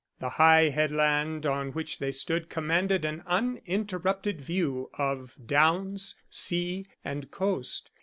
The high headland on which they stood commanded an uninterrupted view of downs, sea, and coast.